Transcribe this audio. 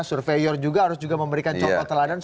surveyor juga harus juga memberikan contoh teladan